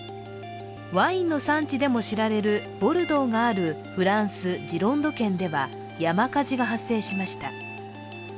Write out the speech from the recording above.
ワインの産地でも知られるボルドーがあるフランス・ジロンド県では山火事が発生しました。